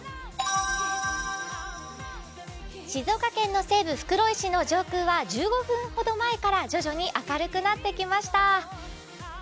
静岡県の西部・袋井市の上空は１５分ほど前から徐々に明るくなってきました。